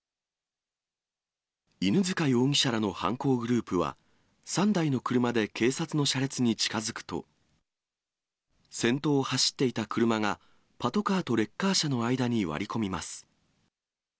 犬塚容疑者らの犯行グループは、３台の車で警察の車列に近づくと、先頭を走っていた車がパトカーとレッカー車の間に割り込みます。